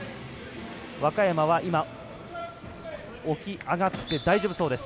若山は起き上がって、大丈夫そうです。